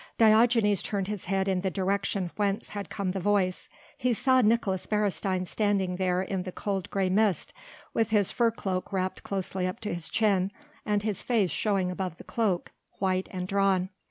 Diogenes turned his head in the direction whence had come the voice. He saw Nicolaes Beresteyn standing there in the cold grey mist, with his fur cloak wrapped closely up to his chin, and his face showing above the cloak, white and drawn.